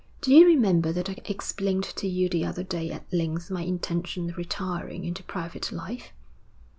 'Do you remember that I explained to you the other day at length my intention of retiring into private life?'